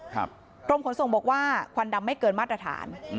กรมขนส่งบอกว่าควันดำไม่เกินมาตรฐาน